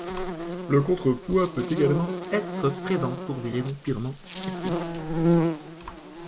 Le contre-poids peut également être présent pour des raisons purement esthétiques.